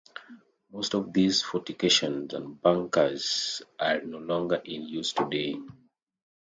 Most of these fortifications and bunkers are no longer in use today.